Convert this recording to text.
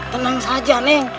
tenang saja neng